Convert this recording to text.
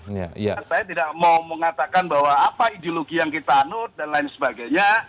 saya tidak mau mengatakan bahwa apa ideologi yang kita anut dan lain sebagainya